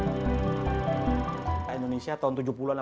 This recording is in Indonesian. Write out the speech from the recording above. pemerintah di indonesia sejak seribu sembilan ratus delapan puluh kenal takaksi